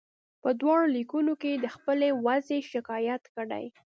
په دواړو لیکونو کې یې د خپلې وضعې شکایت کړی.